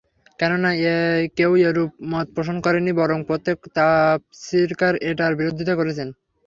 কেননা, কেউ এরূপ মত পোষণ করেননি বরং প্রত্যেক তাফসীরকার এটার বিরোধিতা করেছেন।